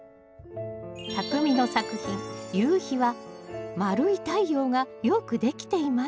たくみの作品「夕日」は丸い太陽がよくできています。